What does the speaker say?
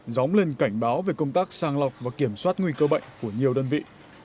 dóng lên cảnh báo về công tác sang lọc và kiểm soát nguy cơ bệnh của nhiều đơn vị